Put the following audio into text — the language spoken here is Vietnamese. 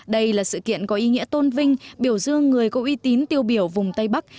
đây là sự kiện có ý nghĩa tôn vinh biểu dương người có uy tín tiêu biểu vùng tây bắc